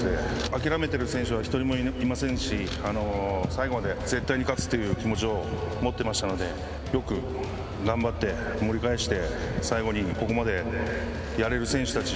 諦めてる選手は１人もいませんし最後まで絶対に勝つという気持ちを持ってましたのでよく頑張って盛り返して最後にここまでやれる選手たち